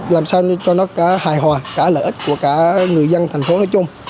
làm sao cho nó cả hài hòa cả lợi ích của cả người dân thành phố nói chung